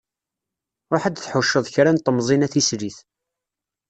Ruḥ ad d-tḥuceḍ kra n temẓin a tislit.